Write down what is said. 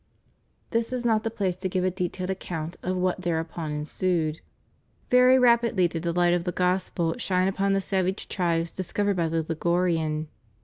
This is not the place to give a detailed account of what thereupon ensued. Very rapidly did the light of the Gos pel shine upon the savage tribes discovered by the Ligu rian.